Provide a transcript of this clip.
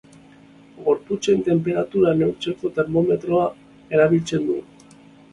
Gorputzen tenperatura neurtzeko termometroa erabiltzen dugu.